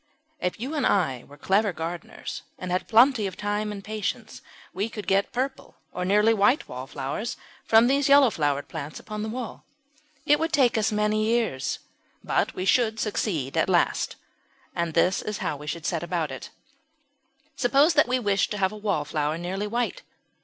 If you and I were clever gardeners and had plenty of time and patience, we could get purple or nearly white wallflowers from these yellow flowered plants upon the wall. It would perhaps take us many years, but we should succeed at last. This is how we should set about it. Suppose that we wished to have a Wallflower nearly white.